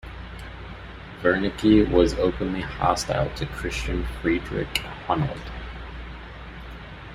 Wernicke was openly hostile to Christian Friedrich Hunold.